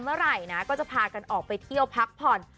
เมื่อไหร่นะก็จะพากันออกไปเที่ยวพักผ่อน